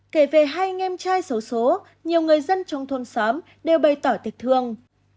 kể về hai anh em trai xấu xố nhiều người dân trong thôn xóm đều bày tỏ tình thương